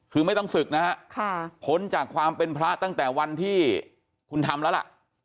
คือไม่ต้องศึกนะฮะพ้นจากความเป็นพระตั้งแต่วันที่คุณทำแล้วล่ะ